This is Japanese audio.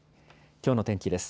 きょうの天気です。